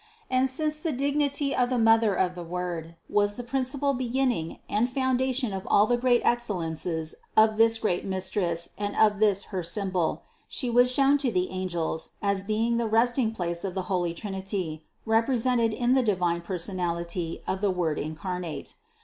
And since the dignity of the mother of the Word was the principal beginning and foundation of all the great excellences of this great Mis tress and of this her symbol, She was shown to the angels as being the resting place of the holy Trinity, represented in the divine personality of the Word incar nate.